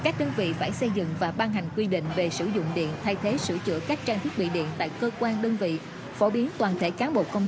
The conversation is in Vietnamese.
còn với bệnh đáy tháo đường